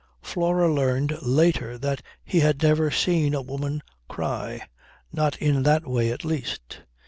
Flora learned later that he had never seen a woman cry; not in that way, at least.